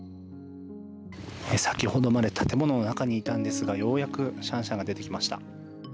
先ほどまで建物の中にいたんですがようやくシャンシャンが出てきました。